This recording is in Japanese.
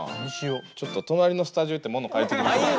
ちょっと隣のスタジオ行って物借りてきますわ。